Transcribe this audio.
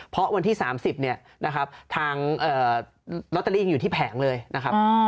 เพราะวันที่๓๐ทางลอตเตอรี่ยังอยู่ที่แผงเลยนะครับ